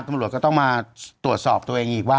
ตำรวจก็ต้องมาตรวจสอบตัวเองอีกว่า